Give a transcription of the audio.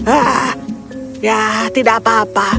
ah ya tidak apa apa